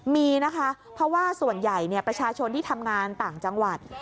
มีนะคะเพราะว่าส่วนใหญ่ประชาชนที่ทำงานต่างจังหวัด